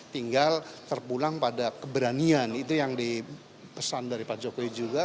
tinggal terpulang pada keberanian itu yang dipesan dari pak jokowi juga